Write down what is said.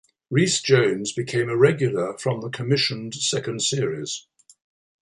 Rhys Jones became a regular from the commissioned second series.